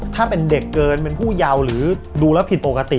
ถ้าเป็นเด็กเกินเป็นผู้เยาว์หรือดูแล้วผิดปกติ